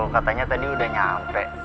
katanya tadi udah nyampe